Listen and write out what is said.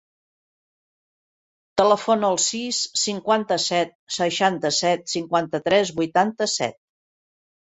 Telefona al sis, cinquanta-set, seixanta-set, cinquanta-tres, vuitanta-set.